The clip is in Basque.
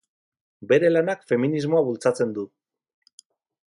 Bere lanak feminismoa bultzatu du.